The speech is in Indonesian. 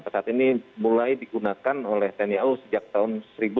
pesawat ini mulai digunakan oleh tni au sejak tahun seribu sembilan ratus sembilan puluh